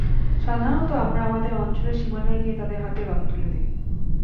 সাধারণত, আমরা আমাদের অঞ্চলের সীমানায় গিয়ে তাদের হাতে রথ তুলে দিই।